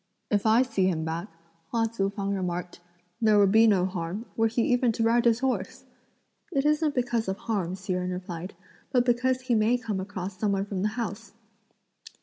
"If I see him back," Hua Tzu fang remarked, "there would be no harm, were he even to ride his horse!" "It isn't because of harm," Hsi Jen replied; "but because he may come across some one from the house."